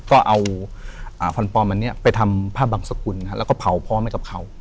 แล้วปุ๊บเนี่ยก็เอาฟันปลอมอันนี้ไปทำภาพบังสกุลแล้วก็เผาพร้อมให้กับเขา